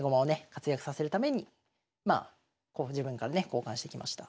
活躍させるためにまあ自分からね交換してきました。